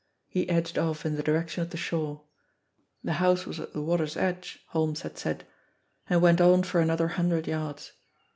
He edged off in the direction of the shore the house was at the water's edge, Holmes had said and went on for another hundred yards.